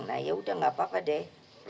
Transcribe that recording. nah yaudah gak apa apa deh